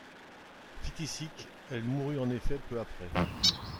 Phtisique, elle mourut en effet peu après.